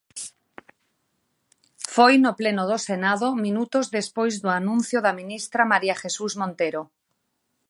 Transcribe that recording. Foi no pleno do Senado, minutos despois do anuncio da ministra María Jesús Montero.